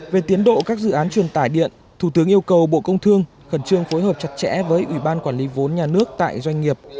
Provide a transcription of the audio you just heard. về tiến độ các dự án truyền tải điện thủ tướng yêu cầu bộ công thương khẩn trương phối hợp chặt chẽ với ủy ban quản lý vốn nhà nước tại doanh nghiệp